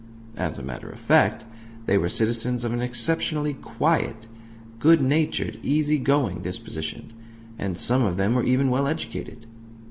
As a matter of fact, they were citizens of an exceptionally quiet, good natured, easy going disposition; and some of them were even well educated.